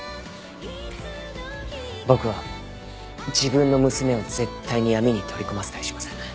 僕は自分の娘を絶対に闇に取り込ませたりしません。